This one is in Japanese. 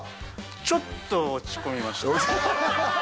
ちょっと落ち込みました。